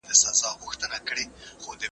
موږ د نېکمرغۍ او بريا لاره لټوو.